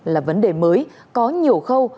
là vấn đề mới có nhiều khâu